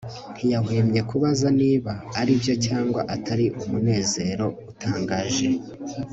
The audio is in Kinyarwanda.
ntiyahwemye kubaza niba aribyo cyangwa atari umunezero utangaje